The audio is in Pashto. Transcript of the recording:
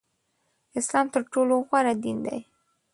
اسلام تر ټولو غوره دین دی